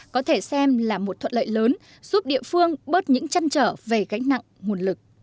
có thể xem là một thuận lợi lớn giúp địa phương bớt những chăn trở về gánh nặng nguồn lực